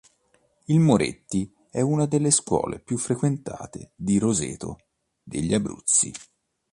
Il Moretti è una delle scuole più frequentate di Roseto degli Abruzzi.